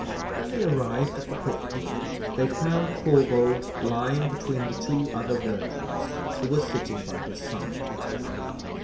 When they arrived at the pitfall, they found Corbould lying between the two other verderers, who were sitting by his side.